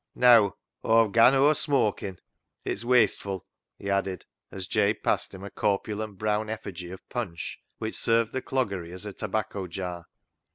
Neaw, Aw've gan o'er smookin' ; it's wasteful," he added, as Jabe passed him a corpulent brown effigy of Punch, which served the cloggery as a tobacco jar.